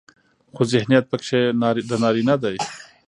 خو ذهنيت پکې د نارينه دى